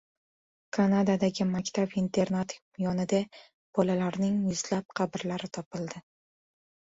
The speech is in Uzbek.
Kanadadagi maktab-internat yonida bolalarning yuzlab qabrlari topildi